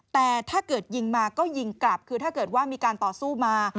แต่ถ้าเกิดยิงมาก็ยิงกลับคือถ้าเกิดว่ามีการต่อสู้มา